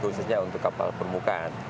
khususnya untuk kapal permukaan